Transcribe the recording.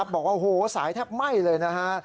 บอกว่าโอ้โหสายแทบไหม้เลยนะฮะ